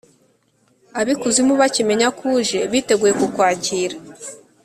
Ab’ikuzimu bakimenya ko uje, biteguye kukwakira.